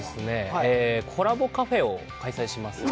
コラボカフェを開催します。